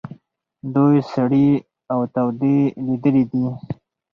دوی سړې او تودې لیدلي دي.